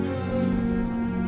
karima sudah diambil bantuan